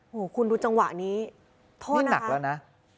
โหคุณดูจังหวะนี้โทษนะครับนี่หนักแล้วนะ